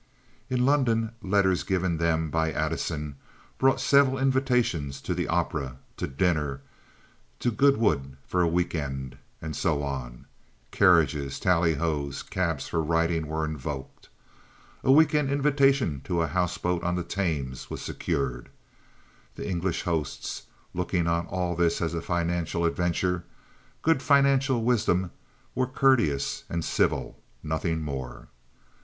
In London letters given them by Addison brought several invitations to the opera, to dinner, to Goodwood for a weekend, and so on. Carriages, tallyhoes, cabs for riding were invoked. A week end invitation to a houseboat on the Thames was secured. Their English hosts, looking on all this as a financial adventure, good financial wisdom, were courteous and civil, nothing more.